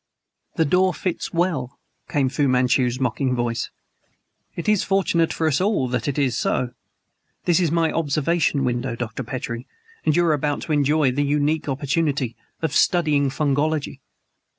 "The door fits well," came Fu Manchu's mocking voice. "It is fortunate for us all that it is so. This is my observation window, Dr. Petrie, and you are about to enjoy an unique opportunity of studying fungology.